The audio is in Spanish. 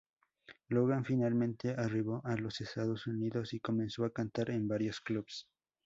Logan finalmente arribó a los Estados Unidos y comenzó a cantar en varios clubes.